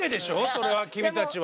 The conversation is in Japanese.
それは君たちは。